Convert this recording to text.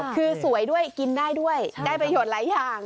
คือสวยด้วยกินได้ด้วยได้ประโยชน์หลายอย่าง